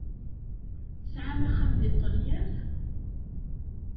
Tesɛam axxam deg Ṭṭalyan?